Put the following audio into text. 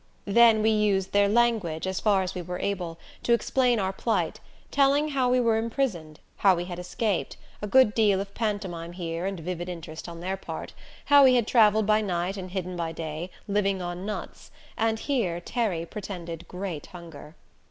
Then we used their language, as far as we were able, to explain our plight, telling how we were imprisoned, how we had escaped a good deal of pantomime here and vivid interest on their part how we had traveled by night and hidden by day, living on nuts and here Terry pretended great hunger.